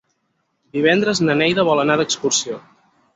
Divendres na Neida vol anar d'excursió.